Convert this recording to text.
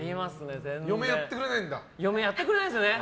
やってくれないんですよね。